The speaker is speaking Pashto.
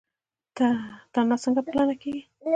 تنه څنګه پلنه کیږي؟